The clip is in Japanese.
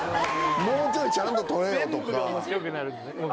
もうちょいちゃんと撮れよとか。